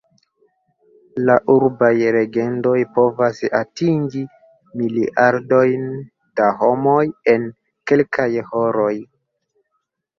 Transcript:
La urbaj legendoj povas atingi miliardojn da homoj en kelkaj horoj.